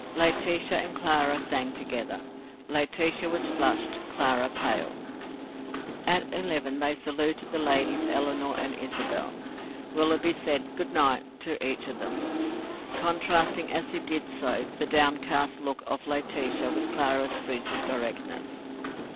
Laetitia and Clara sang together. Laetitia was flushed, Clara pale. At eleven they saluted the ladies Eleanor and Isabel. Willoughby said "Good night" to each of them, contrasting as he did so the downcast look of Laetitia with Clara's frigid directness.